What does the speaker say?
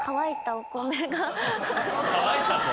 乾いた米？